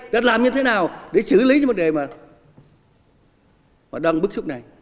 đã làm như thế nào để xử lý những vấn đề mà đang bức xúc này